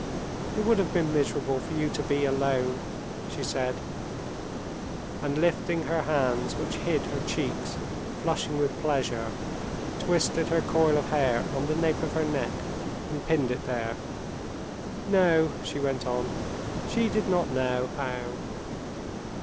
"It would have been miserable for you to be alone," she said, and lifting her hands which hid her cheeks flushing with pleasure, twisted her coil of hair on the nape of her neck and pinned it there. "No," she went on, "she did not know how....